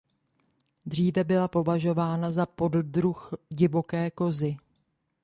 Dříve byla považována za poddruh divoké kozy.